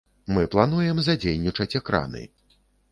Мы плануем задзейнічаць экраны.